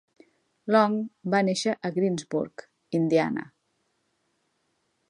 Long va néixer a Greensburg, Indiana.